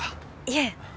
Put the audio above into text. いえ。